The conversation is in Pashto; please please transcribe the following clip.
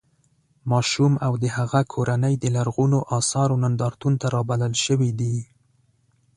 ماشوم او د هغه کورنۍ د لرغونو اثارو نندارتون ته رابلل شوي دي.